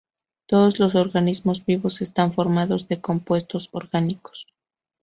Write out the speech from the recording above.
Todos los organismos vivos están formados de compuestos orgánicos.